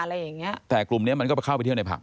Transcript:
อะไรอย่างเงี้ยแต่กลุ่มเนี้ยมันก็เข้าไปเที่ยวในผับ